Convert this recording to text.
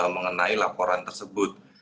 mengenai laporan tersebut